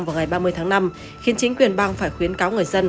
vào ngày ba mươi tháng năm khiến chính quyền bang phải khuyến cáo người dân